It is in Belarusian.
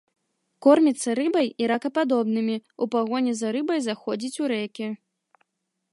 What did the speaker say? Корміцца рыбай і ракападобнымі, у пагоні за рыбай заходзіць у рэкі.